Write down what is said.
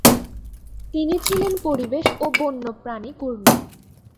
তিনি ছিলেন পরিবেশ ও বন্যপ্রাণী কর্মী।